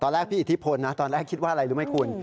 แรกพี่อิทธิพลนะตอนแรกคิดว่าอะไรรู้ไหมคุณ